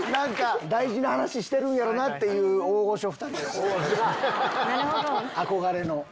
大事な話してるんやろなっていう大御所２人がこうやってな。